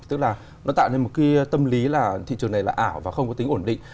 tức là nó tạo nên một cái tâm lý là thị trường này là ảo và không có tính ổn định